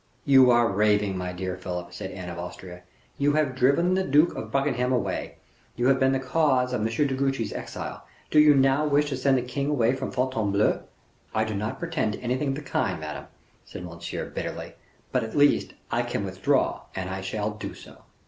"You are raving, my dear Philip," said Anne of Austria; "you have driven the Duke of Buckingham away; you have been the cause of M. de Guiche's exile; do you now wish to send the king away from Fontainebleau?" "I do not pretend to anything of the kind, madame," said Monsieur, bitterly; "but, at least, I can withdraw, and I shall do so."